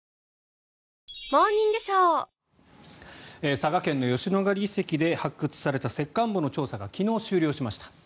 佐賀県の吉野ヶ里遺跡で発掘された石棺墓の調査が昨日、終了しました。